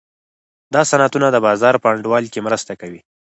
دا صنعتونه د بازار په انډول کې مرسته کوي.